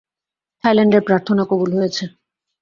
থাইল্যান্ডের প্রার্থনা কবুল হয়েছে।